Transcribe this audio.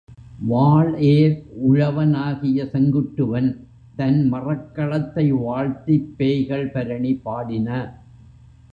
வாள்ஏர் உழவன் ஆகிய செங்குட்டுவன் தன் மறக்களத்தை வாழ்த்திப் பேய்கள் பரணி பாடின.